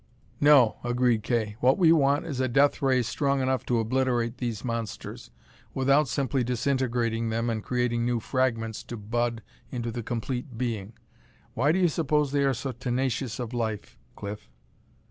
"No," agreed Kay. "What we want is a death ray strong enough to obliterate these monsters, without simply disintegrating them and creating new fragments to bud into the complete being. Why do you suppose they are so tenacious of life, Cliff?"